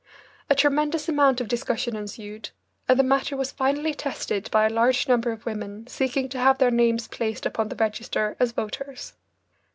A tremendous amount of discussion ensued, and the matter was finally tested by a large number of women seeking to have their names placed upon the register as voters.